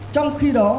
trong khi đó